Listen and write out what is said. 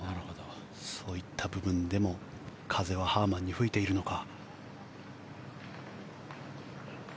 そういった部分でも風はハーマンに吹いているのか。